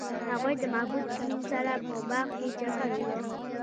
هغوی د محبوب شمیم سره په باغ کې چکر وواهه.